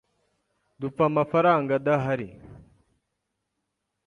dupfa amafaranga adahari .